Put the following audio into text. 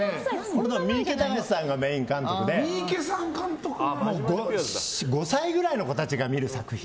三池崇史さんがメイン監督で５歳くらいの子たちが見る作品。